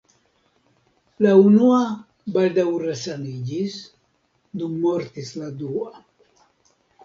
La unua baldaŭ resaniĝis, dum mortis la dua.